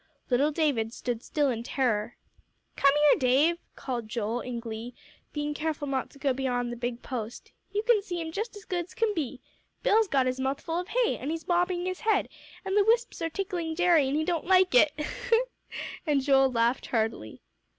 Little David stood still in terror. "Come here, Dave," called Joel, in glee, being careful not to go beyond the big post, "you can see 'em just as good's can be. Bill's got his mouth full of hay, an' he's bobbing his head, and the wisps are tickling Jerry, an' he don't like it," and Joel laughed heartily.